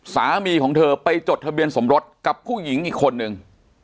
สามีของเธอไปจดทะเบียนสมรสกับผู้หญิงอีกคนนึง